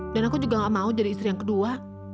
dan aku juga gak mau jadi istri yang kedua